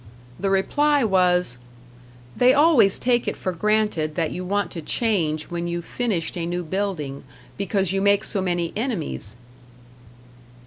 The reply was, "They always take it for granted that you want to change when you've finished a new building, because you make so many enemies!"